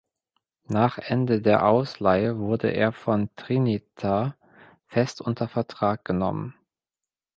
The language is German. Nach Ende der Ausleihe wurde er von Trinita fest unter Vertrag genommen.